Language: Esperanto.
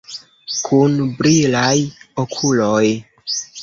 Kun brilaj okuloj!